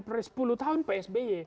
per sepuluh tahun psby